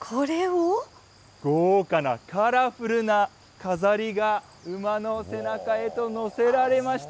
豪華なカラフルな飾りが馬の背中へと載せられました。